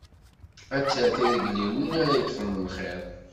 Ad terr tirigliwin, ara yeṭfen lxiḍ.